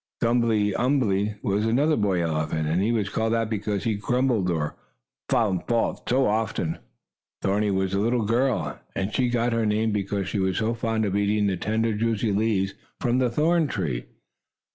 Gumble umble was another boy elephant, and he was called that because he grumbled, or found fault, so often. Thorny was a girl elephant, and she got her name, because she was so fond of eating the tender, juicy leaves from the thorn tree.